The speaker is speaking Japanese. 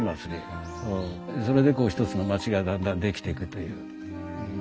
それでこう一つの町がだんだんできていくという。